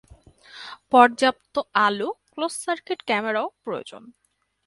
পর্যাপ্ত আলো, closed circuit ক্যামেরাও প্রয়োজন।